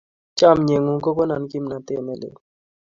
Chamyengung ko kona kimnatet ne lel